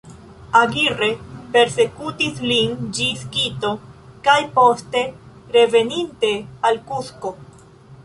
Aguirre persekutis lin ĝis Kito kaj poste, reveninte, al Kusko.